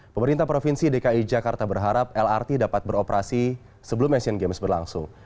pemerintah provinsi dki jakarta berharap lrt dapat beroperasi sebelum asian games berlangsung